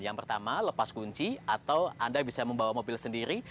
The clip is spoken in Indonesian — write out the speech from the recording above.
yang pertama lepas kunci atau anda bisa membawa mobil sendiri